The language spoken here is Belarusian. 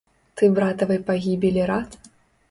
Ты братавай пагібелі рад?